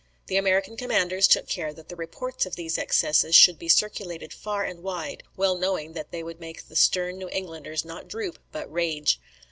The American commanders took care that the reports of these excesses should be circulated far and wide, well knowing that they would make the stern New Englanders not droop, but rage.